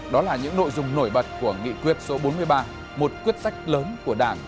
đó là những nội dung nổi bật của nghị quyết số bốn mươi ba một quyết sách lớn của đảng